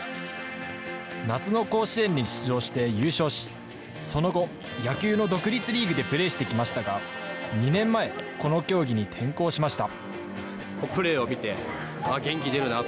夏の甲子園に出場して優勝し、その後、野球の独立リーグでプレーしてきましたが、２年前、この競技に転向しました。